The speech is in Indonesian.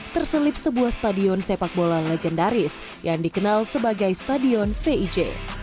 terselip sebuah stadion sepak bola legendaris yang dikenal sebagai stadion vij